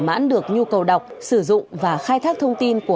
một bước đường phóng bằng